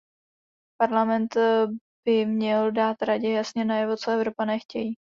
Parlament by měl dát Radě jasně najevo, co Evropané chtějí.